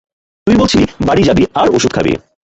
তুই বলছিলি বাড়ী যাবি আর ওষুধ খাবি।